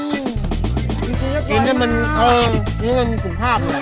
อืมจริงมันจะมีสุขภาพเลย